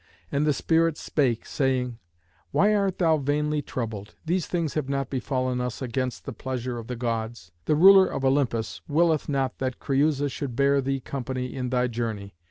And the spirit spake, saying, "Why art thou vainly troubled? These things have not befallen us against the pleasure of the Gods. The ruler of Olympus willeth not that Creüsa should bear thee company in thy journey.